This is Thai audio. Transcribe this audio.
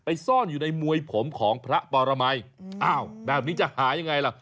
ซ่อนอยู่ในมวยผมของพระปรมัยอ้าวแบบนี้จะหายังไงล่ะ